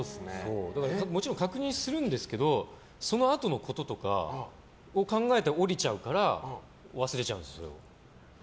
もちろん確認するんですけどそのあとのこととかを考えて降りちゃうから忘れちゃうんですよ。